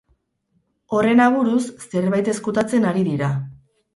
Horren aburuz, zerbait ezkutatzen ari dira.